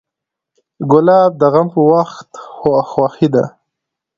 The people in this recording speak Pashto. ګلاب د غم په وخت خوښي ده.